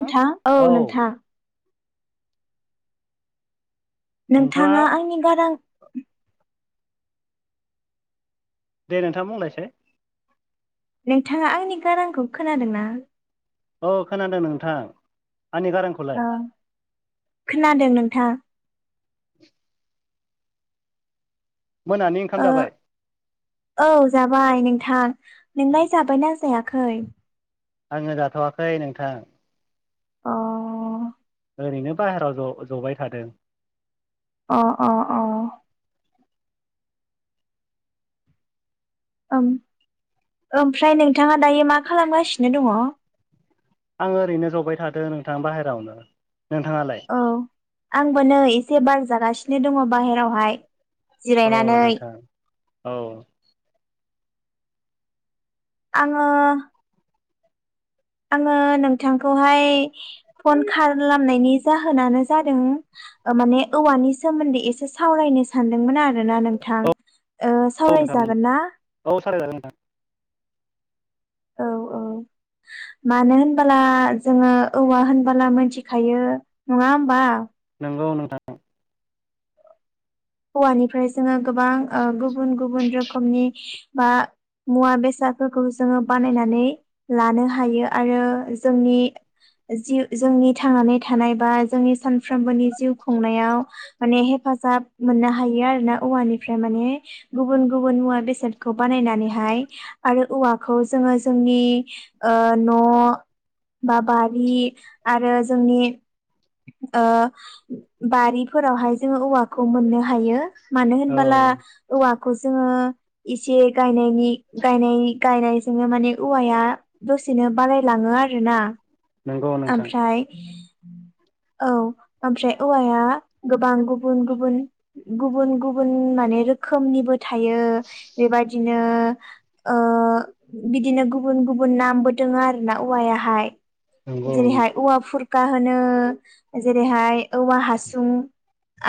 औ नोंथा औ नोंथां नोंथाङा आंनि गारां दे नोंथां बुंलायसाय नोंथाङा आंनि गारांखौ खोनादों ना औ खोनादों नोंथां आंनि गारांखौलाय औ खोनादों नोंथां [inaudible] मोनानि ओंखाम ओ जाबाय औ जाबाय नोंथां नोंलाय जाबायना जाया खै आङो जाथ'वाखै नोंथां। अ ओरैनो बाहेराव ज-जबाय थादों। अ अ अ ओम ओमफ्राय नोंथाङा दायो मा खालामगासिनो दङ'? आं ओरैनो जबाय थादों नोंथां बाहेरावनो। नोंथाङालाय औ आंबो नै एसे बार जागासिनो दङ बाहेरावहाय। औ जिरायनानै नोंथां औ। आङो आङो नोंथांखौहाय फन खालामनायनि जाहोनानो जादों ओ माने औवानि सोमोन्दै एसे सावरायनो सानदोंमोन आरो आरोना नोंथां औ ओ औ सावराय नोंथां जागोन ना औ सावरायजागोन नोंथां औ औ मानो होनबोला जोङो औवा होनबोला मोनथिखायो नङा होमबा नोंगौ नोंथां औवानिफ्राय जोङो गोबां ओ गुबुन गुबुन रोखोमनि बा मुवा बेसादफोरखौ जोङो बानायनानै लानो हायो आरो जोंनि जि जोंनि थांनानै थानाय बा जोंनि सानफ्रोमबोनि जिउ खुंनायाव माने हेफा हेफाजाब मोननो हायो आरो ना औवानिफ्राय माने गुबुन गुबुन मुवा बेसादखौ बानायनानैहाय आरो औवाखौ जोङो जोंनि ओ न' बा बारि आरो जोंनि ओ बारिफोरावहाय जोङो औवाखौ खौ मोननो हायो मानो होनबोला औ औवाखौ जोङो इसे गा नायनायनि गायनायनि गायनायजों जोंनो माने औवाया दसेनो बारायलाङो आरोना नंगौ नोंथां ओमफ्राय औ ओमफ्राय औवाया गोबां गुबुन गुबुन गुबुन गुबुन माने रोखोमनिबो थायो बेबायदि नो ओ बिदिनो गुबुन गुबुन नामबो दङ आरो ना औवायाहाय नंगौ नंगौ जेरैहाय औवा फुरखा होनो जेरैहाय औवा हासुं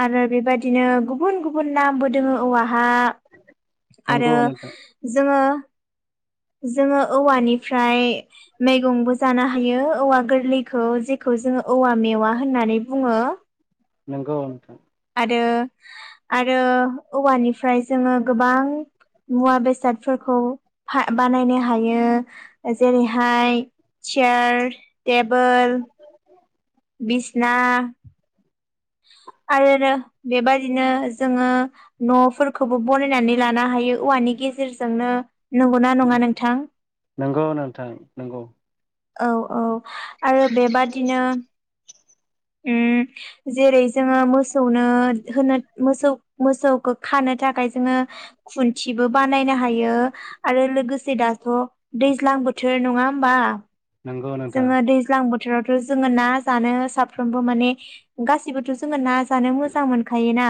आरो बेबायदिनो गुबुन गुबुन नामबो दोङो औवा हा आरो नंगौ नोंथां जोङो जोङो औवानिफ्राय मैगंबो जानो हायो औवा गोरलैखौ जेखौ जोङो औवा मेवा होननानै बुङो नोंगौ [inaudible] आरो औवानिफ्राय जोङो गोबां मुवा बेसादफोरखौ फा बानायनो हायो जेरैहाय चेयार टेबोल बिसना आरोनो बेबायदिनो जोङो न'फोरखौबो बनायनानै लानो हा हायो औवानि गेजेरजोंनो नंगौना नङा नोंथां नंगौ नोंथां नंगौ औ औ आरो बेबादिनो ओम जेरै जोङो मोसौनो होनो मोसौ मोसौखौ खानो थाखाय जोङो खुन्थिबो बानायनो हायो आरो लोगोसे दाथ' दैज्लां ज्लां बोथोर नङा होमबा नंगौ नोंथां जोङो दैज्लां बोथ थोरावथ जों ना जानो साफ्रोमबो माने गासैबोर जों ना जानो जानो मोजां मोनखायो ना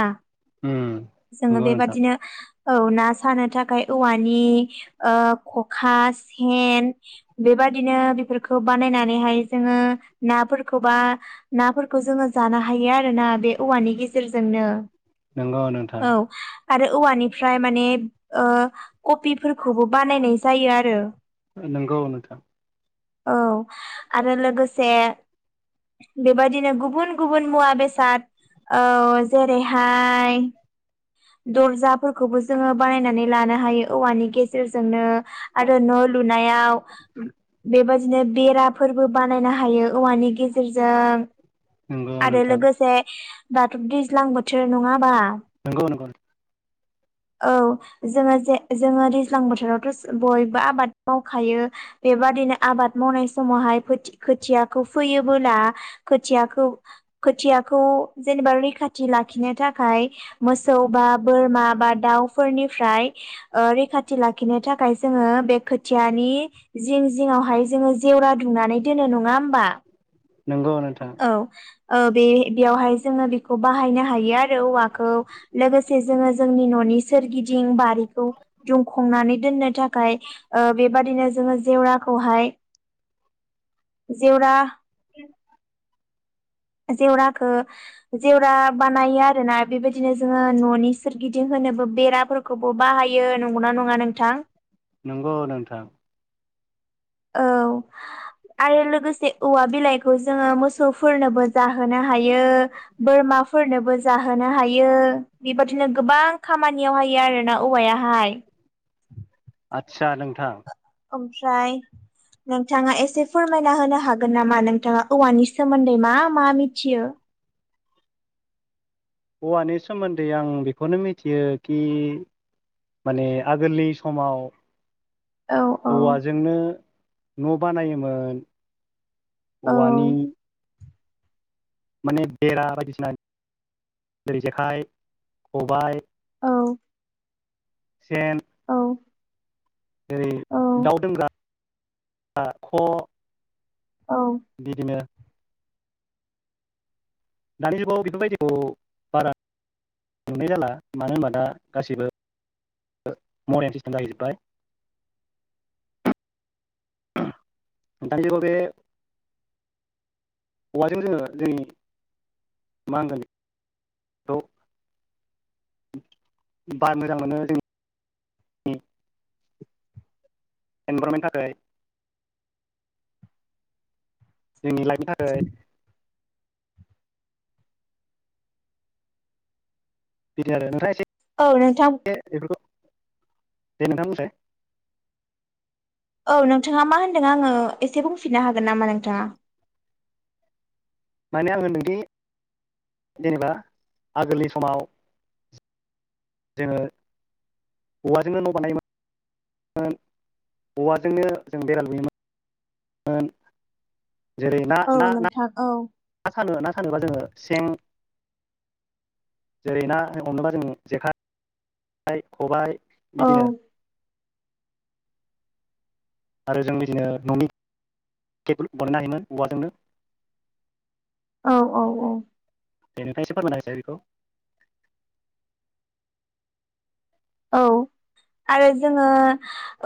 उम जोङो नंगौ नोंथां बेबादिनो औ ना सानो थाखाय औवानि ओ खखा सेन बेबा बादिनो बेफोर खौ बानायनानैहाय जोङो नाफोरखौ बा नाफोरखौ जोङो जानो हायो आरोना बे औवानि गेजेरजोंनो नंगौ नोंथां औ आरो औवानिफ्राय माने ओ कबिफोरखौबो बानायनाय जायो आरो नोंगौ नोंथां औ आरो लोगोसे बेबायदिनो गुबुन गुबुन मुवा बेसाद औ जेरैहाय दरजाफोरखौबो जोङो बानायनानै लानो हायो औवानि गेजेरजोंनो आरो न' लुनायाव बेबायदि बिदिनो बेराफोरबो बानायनो हायो औवानि गेजेरजों नंगौ आरो नोंथां लोगोसे दाथ' दैज्लां बोथोर नङाबा नंगौ नंगौ [unintelligible] औ जोङो जे जोङो दैज्लां बोथोरावथ' बयबो आबाद मावखायो बेबा दिनो आबाद मावनाय समावहाय खोथियाखौ फैयोला खोथियाखौ खोथियाखौ जेनेबा रैखाथि लाखिनो थाखाय मोसौ बा बोरमा बा दाउफोरनिफ्राय ओ रैखाथि लाखिनो थाखाय जोङो बे खोथियानि जिं जिङआवहाय जोङो जेवरा दुंनानै दोनो नङा होमबा नंगौ नोंथां औ ओ बे बेयावहाय जोङो बेखौ बाहायनो हायो आरो औवाखौ लोगोसे जोङो जोंनि न नि सोरगिदिं बारिखौ दुंखंनानै दोननो थाखाय ओ बेबादिनो जो जेवरा राखौहाय जेवरा जेवराखौ जेवरा बानायो आरोना बेबायदिनो जोङो न'नि सोरगिदिं हो होननोबो बेराफोरखौबो बाहायो नंगौना नङा नोंथां नंगौ नोंथां औ आरो लोगोसे औवा बिलाइखौ जोङो मोसौफोरनोबो जाहोनो हायो बोरमा माफोरनोबो जाहोनो हायो बेबादिनो गोबां खामानियाव हायो आरोना औवायाहाय आदसा नोंथां ओमफ्राय नोंथाङा एसे फोरमायना होनो हागोन नामा नोंथाङा औवानि सोमोन्दै मा मा मिथियो हौवानि सोमोन्दै आं बेखौनो मिथियो कि माने आगोलनि समाव औ औ औवाजोंनो न' बानायोमोन औ औवानि माने बेरा बायदिसिना जेरै जेखाइ खबायाइ औ सेन औ जेरै दाउ औ दोंग्रा ख औ बिदि नो दानि जुगाव बेफोरबायदिखौ बारा मोननाय जाला मानो होनबा दा गाससिबो मरानोस जाहैजोब्बाय [unintelligible] दानि जुगाव बे औवाजों जोङो जोंनि मा होनगोन बेखौ बार मोजां मोनो जोंनि एनभारनमेन्टनि थाखाय जोंनि लाइफनि थाखाय बिदि आरो नोंथाङा एसे औ नोंथां जे नोंथां मोनो औ नोंथाङा मा होनदों आङो एसे बुंफिननो हागोन नामा नोंथाङा माने आङो नोंदि जेनेबा आगोलनि समाव जोङो औवाजोंनो न' बानायोमोन औवाजोंनो जों बेरालुयोमोन [unintelligible] औ नोंथां औ ना सानो ना सानोबा जोङो सें जेरै ना हमोबा जों जेखाइ खबाय औ बिदिया [unintelligible] आरो जों बिदिनो न'नि टेबोल बानायनो हायोमोन औवाजोंनो [unintelligible] औ औ औ बेनिफ्रायससे फोरमायनो हसै बेखौ [unintelligible] औ आरो जोङो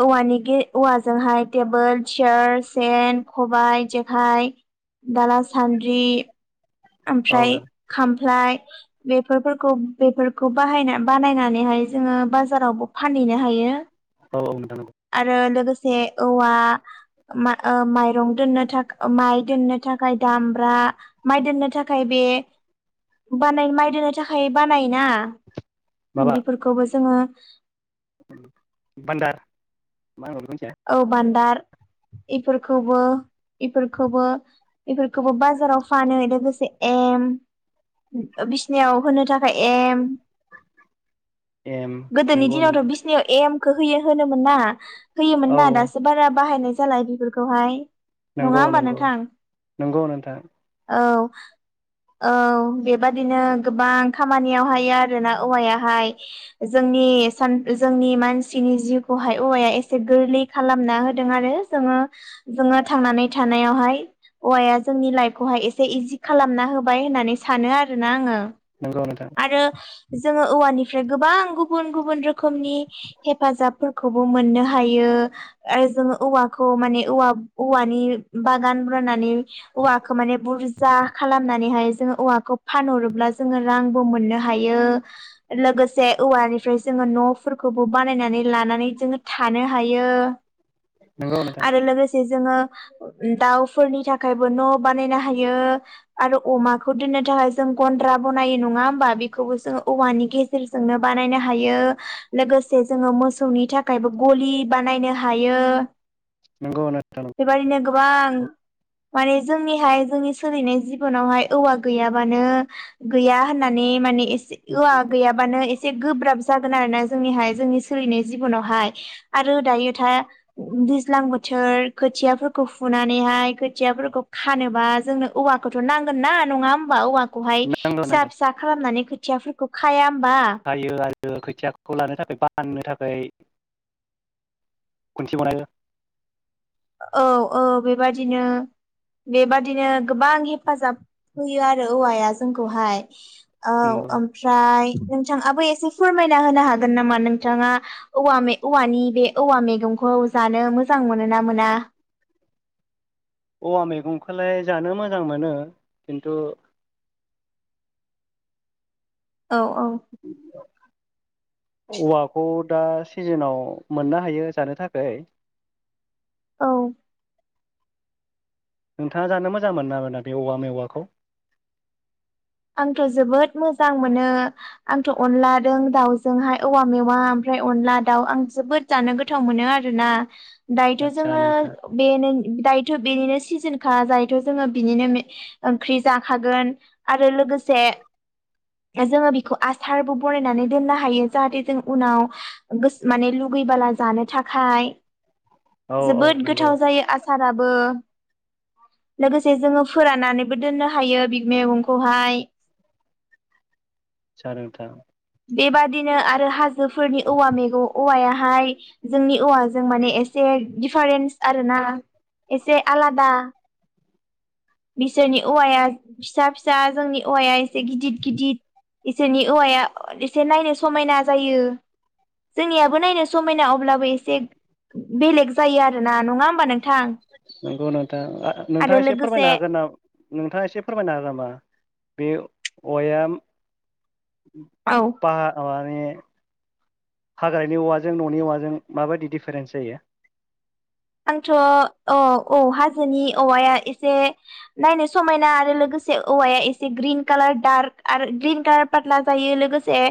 औवानि गे औवाजोंहाय टेबोल चियार सेेन खबाय जेखाय दाला सान्द्रि औ ओफ्राय औ खाम फ्लाय बेफोर फोरखौ बेफोरखौ बाहायना बानायनानैहाय जोङो बाजारावबो फानै हैनो हायो औ नोंथां नोंगौ जे औवा मा ओ माइरं दोननो थाख अ माइ दोननो थाखाय दामब्रा माइ दोननो थाखाय बे बानाय माइ दोननो थाखाय बानायो ना माबा बेफोरखौबो जोङो बान्दार मा होनो बेखौ मिथिया औ बान्दार इफोरखौबो इफोरखौबो इफोरखौबो बाजाराव फानो लोगोसे एम उम ओ बिसनायाव होनो थाखाय एम एम गोदोनि नंगौ नंगौ दिनावथ' बिसिनियाव एमखो होयो होनोमोन ना होयोमोन औ ना दासो बारा बाहायनाय जाला बेफोरखौहाय नङा नंगौ होमबा नंगौ नोंथां नंगौ नोंथां औ औ बेबादिनो गोबां खामानियाव हायो आरो ना औवायाहाय जोंनि नि सान जोंनि मानसिनि जिउखौहाय औवाया एस से गोरलै खालामना होदों आरो जोङो जोङो थांनानै थानायावहाय औवाया जो जोंनि लाइफखौहाय एसे इजि खालामना होबाय होननानै सानो आरोना आङो नोंगौ नोंथां आरो जोङो औवानिफ्राय गोबां गुबुन गुबुन रोखोमनि हेफाजाबफोरखौबो मोननो हा हायो आरो जोंङो औवाखौ माने औवा औवानि बागान राननानै औवाखो माने बुरजा खालामनानैहाय जोङो औवाखौ फानहरोब्ला जोङो रांबो मोननो हायो ओ लोगोसे औवानिफ्राय जोङो न'फोरखौबो बानायनानै लानानै जोंङो थानो हायो नंगौ नोंथां आरो लोगोसे जोङो हा अ उम दाउफोरनि थाखायबो न' बानायनो हायो आरो अमाखौ दोननो थाखाय जों गन्द्रा बनायो नङा ओमबा बेखौबो जोंङो औवानि गेजेरजोंनो बानायनो हायो लोगोस जे जोङो मोसौनि थाखायबो गलि बानायनो हायो नंगौ नोंथां बेबादिनो गोबां नंगौ माने जोंनिहाय जोंनि सोलिनाय जिबनावहाय औवा गैयाबानो गैया होननानै मानि एसे होवा गैयाबानो एसे गोब्राब जागोन आरो ना जोंनिहाय जोंनि सोलिनाय जिबनाव हाय आरो दायो दैज्लां बोथोर खोथियाफोरखौ फुनानैहाय खोथियाफोरखौ खानोबा जोंनो औवाखौथ नांगोन ना नङा हबा औवा हाय नांगौ फिसा नांगोन फिसा खालामनानै खोथियाफोरखौ खाया होमबा खायो खोथियाखौ लानो थाखाय बाननो थाखाय खनसे बानायो औ औ बेबादिनो बेबादिनो गोबां हेफाजाब होयो आरो औवाया जोंखौहाय औ नंगौ ओमफ्राय नोंथाङाबो एसे फोरमायना होनो हागोन नामा नोंथाङा औव औवानि बे औवा मैगंखौ औ जानो मोजां मोन ना मोना औवा मैगंखौलाय जानो मोजां मोनो खिन्थु औ औ बि औवाखौ दा सिजोनाव मोननो हायो जानो थाखाय। औ नोंथाङा जानो मोजां मोनो ना मोना बे औवा मेवाखौ? आंथ' जोबोद मोजां मोनो। आंथ' अनलाजों दाउजोंहाय औवा मेवा ओमफ्राय अनला दाउ आं जोबोद जानो गोथाव मोनो आरो। ना दायोथ' आदसा जोङो नोंथां [unintelligible] दायोथ बेनिनो सिजोनखा जायथ' जोङो बेनिनो ओंख्रि जाखागोन। आरो लोगोसे [unintelligible] जोङो बेखौ आसारबो बरायनानै दोननो हायो जाहाथे जों उनाव [unintelligible] माने लुगै बाला जानो थाखाय औ औ जोबोद नंगौ गोथाव जायो [unintelligible] साराबो लोगोसे जोङो फोरनानैबो दोननो हायो बे [unintelligible] खौहाय [inaudible] [unintelligible] नोंथां बेबादिनो आरो हाजोफोरनि औवा मैगं औवायाहाय जोंनि औवाजों माने एसे डिफारेन्स आरोना एसे आलादा। बिसोरनि औवाया फिसा फिसा जोंनि औवाया एसे गिदद गिदिद। इसोरनि औवाया एसे नायनो समायना जायो। जोंनियाबो नायनो समायना अब्लाबो एसे बेलेग जायो आरोना नङा होम नोंथां नोंगौ नोंथां ओ आरो नोंथाङा एसे लोगोसे फोरमायनो हागोन ना नोंथाङा एसे फोरमायनो हागोन नामा? बे औवाया [unintelligible] माने हाग्रानि औवाजों न'नि औवाजों माबायदि दिडफारेन्स जायो? आंथ' औ औ हाजोनि औवाया एसे नायनो समायना आरो लोगो से औवाया एसे ग्रिन कालार दार्क आरो ग्रिन कालार पात्ला जायो लोगोसे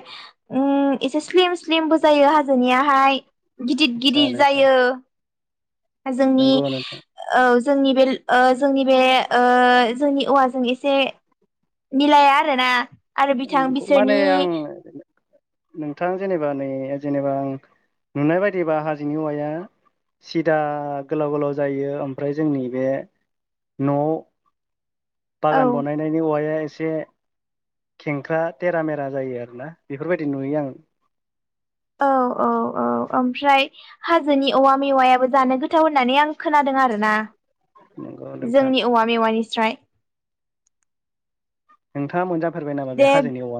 उम एसे स्लिम स्लिमबो जायो हाजोनियाहाय गिदिद आदसा गिदिद नोंथां जायो। जोंनि नंगौ नोंथां ओ जोंनि बे ओ जोंनि बे ओ जोंनि औवाजों एसे मिलाया आरो ना आरो बिथां नंगौ माने बिसोरनि आं नोंथां जेनेबा नै जेनेबा आं नुनाय बायदिबा हाजोनि औवाया सिदा गोलाव गोलाव जायो ओमफ्राय जोंनि बे न' औ बागान बनायनायनि औवाया एसे खेंख्रा थेरा मेरा जायो आरोना बेफोरबायदि नुयो आं। औ औ औ ओमफ्राय हाजोनि औवा मेवायाबो जानो गोथाव होननानै आं खोनादों। आरोना नंगौ नोंथां जोंनि औवा मेवायनिस्राय। नोंथाङा मोनजाफेरबाय नामा बे हाजोनि औवा